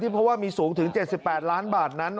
เพราะว่ามีสูงถึง๗๘ล้านบาทนั้น